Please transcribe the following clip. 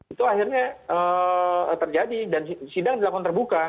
itu akhirnya terjadi dan sidang dilakukan terbuka